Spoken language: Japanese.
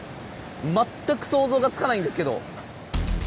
全く想像がつかないんですけど。